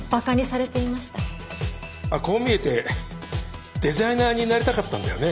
こう見えてデザイナーになりたかったんだよね？